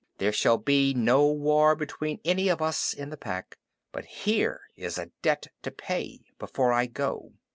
"There shall be no war between any of us in the Pack. But here is a debt to pay before I go."